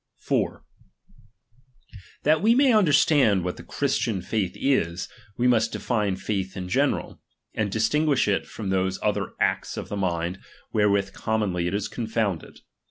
luHi 4. That we may understand what the Christian iLihed faith is, we must define faith in general ; and CT™^d distinguish it from those other acts of the mind, <inion, wherewith commonly it is confoimded.